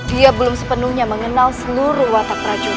dia belum sepenuhnya mengenal seluruh watak prajurit